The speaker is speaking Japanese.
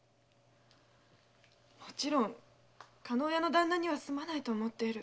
もちろん加納屋の旦那にはすまないと思っている。